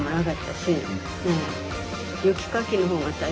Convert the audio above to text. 雪かきの方が。